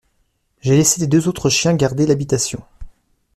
J’ai laissé les deux autres chiens garder l’habitation.